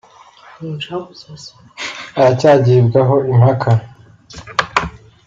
iracyagibwaho impaka